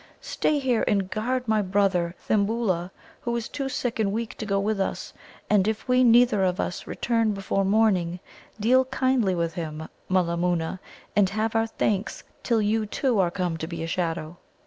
Stay here and guard my brother, Thimbulla, who is too sick and weak to go with us; and if we neither of us return before morning, deal kindly with him, Mulla moona, and have our thanks till you too are come to be a shadow."